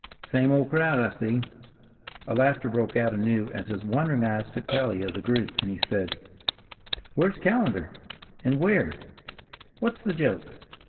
"Same old crowd, I see." The laughter broke out anew as his wandering eyes took tally of the group, and he said, "Where's Callender? and Weir? What's the joke?"